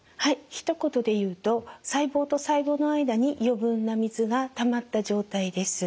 ひと言で言うと細胞と細胞の間に余分な水がたまった状態です。